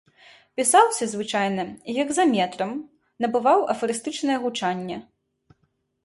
Пісаўся звычайна гекзаметрам, набываў афарыстычнае гучанне.